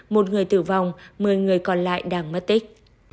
một người tử vong một mươi người còn lại đang mất tích